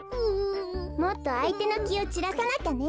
もっとあいてのきをちらさなきゃね。